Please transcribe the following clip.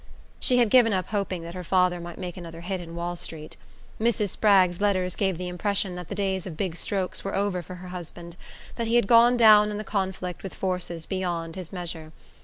She had given up hoping that her father might make another hit in Wall Street. Mrs. Spragg's letters gave the impression that the days of big strokes were over for her husband, that he had gone down in the conflict with forces beyond his measure.